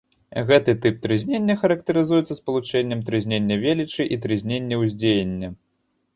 Гэты тып трызнення характарызуецца спалучэннем трызнення велічы і трызнення ўздзеяння.